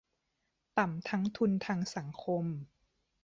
ต่ำทั้งทุนทางสังคม